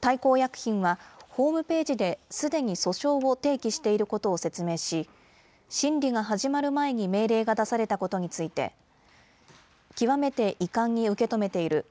大幸薬品は、ホームページですでに訴訟を提起していることを説明し、審理が始まる前に命令が出されたことについて、極めて遺憾に受け止めている。